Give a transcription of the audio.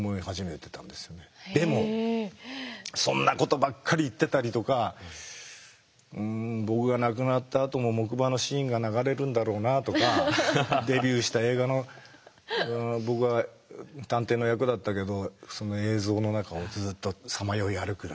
でもそんなことばっかり言ってたりとか僕が亡くなったあとも木馬のシーンが流れるんだろうなとかデビューした映画の僕は探偵の役だったけどその映像の中をずっとさまよい歩く。